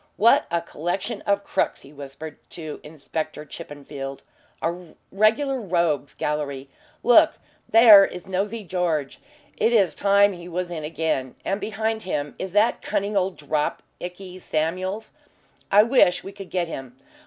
"What a collection of crooks," he whispered to Inspector Chippenfield. "A regular rogues' gallery. Look there is 'Nosey George'; it is time he was in again. And behind him is that cunning old 'drop' Ikey Samuels I wish we could get him.